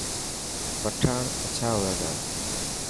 پٺاڻ اڇا هوئي تا.